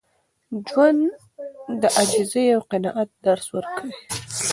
ژوند د عاجزۍ او قناعت درس ورکوي.